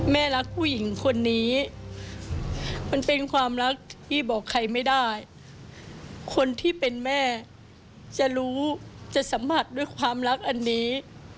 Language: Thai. แม่รักผู้หญิงคนนี้มันเป็นความรักที่บอกใครไม่ได้คนที่เป็นแม่จะรู้จะสัมผัสด้วยความรักอันนี้